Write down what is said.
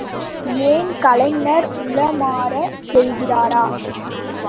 ஏன், கலைஞர் உளமாரச் செய்கிறாரா?